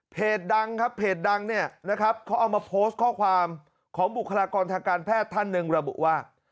เพจดังเขาเอามาโพสต์ข้อความของบุคลากรทางการแพทย์ท่านหนึ่งระบุว่า